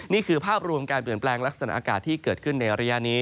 นี่คือภาพรวมการเปลี่ยนแปลงลักษณะอากาศที่เกิดขึ้นในระยะนี้